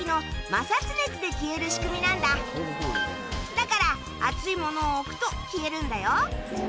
だから熱いものを置くと消えるんだよ。